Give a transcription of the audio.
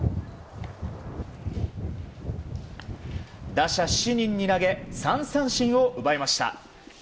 打者７人に投げ３三振を奪いました。